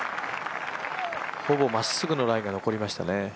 ほぼまっすぐのラインが残りましたね。